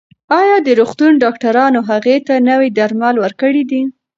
ایا د روغتون ډاکټرانو هغې ته نوي درمل ورکړي دي؟